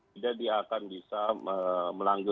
tidak dia akan bisa melanggar